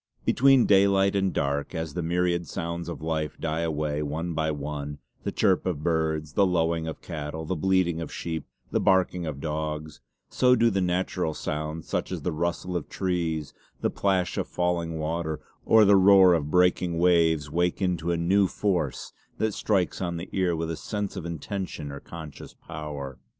Between daylight and dark as the myriad sounds of life die away one by one, the chirp of birds, the lowing of cattle, the bleating of sheep, the barking of dogs, so do the natural sounds such as the rustle of trees, the plash of falling water, or the roar of breaking waves wake into a new force that strikes on the ear with a sense of intention or conscious power.